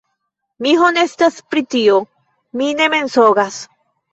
Mi honestas pri tio; mi ne mensogas